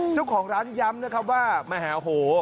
เจ้าของร้านย้ำนะครับว่ามหาโห